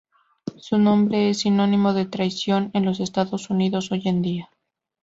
Su nombre es sinónimo de traición en los Estados Unidos hoy en día.